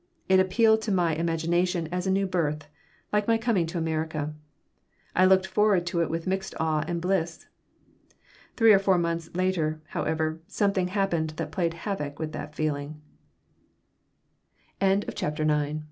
It appealed to my imagination as a new birth, like my coming to America. I looked forward to it with mixed awe and bliss Three or four months later, however, something happened that played havoc with that feeling BOOK XII MISS TEVKIN CHAPTER I ON a S